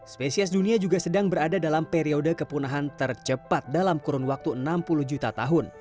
spesies dunia juga sedang berada dalam periode kepunahan tercepat dalam kurun waktu enam puluh juta tahun